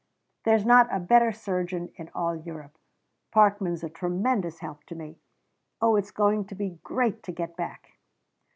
There's not a better surgeon in all Europe. Parkman's a tremendous help to me. Oh, it's going to be great to get back!"